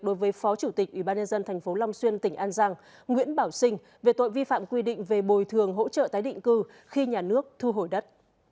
đối với phó chủ tịch ủy ban nhân dân tp long xuyên tỉnh an giang nguyễn bảo sinh về tội vi phạm quy định về bồi thường hỗ trợ tái định cư khi nhà nước thu hồi đất